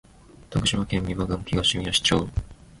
徳島県美馬郡東みよし町